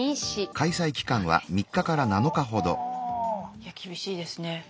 いや厳しいですね。